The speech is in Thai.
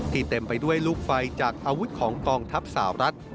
เต็มไปด้วยลูกไฟจากอาวุธของกองทัพสาวรัฐ